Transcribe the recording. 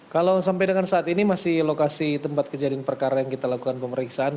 kalau sampai dengan saat ini masih lokasi tempat kejadian perkara yang kita lakukan pemeriksaan